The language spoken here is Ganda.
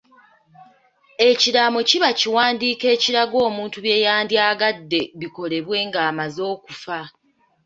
Ekiraamo kiba kiwandiiko ekiraga omuntu bye yandyagadde bikolebwe ng'amaze okufa.